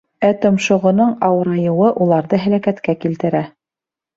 Ә томшоғоноң ауырайыуы уларҙы һәләкәткә килтерә.